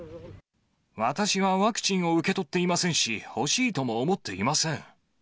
私はワクチンを受け取っていませんし、欲しいとも思っていません。